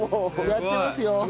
やってますよ。